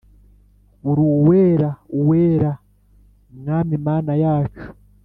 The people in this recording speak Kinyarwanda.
Uri Uwera Uwera, Mwami Mana yacu,